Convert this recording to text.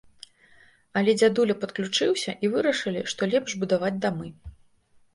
Але дзядуля падключыўся, і вырашылі, што лепш будаваць дамы.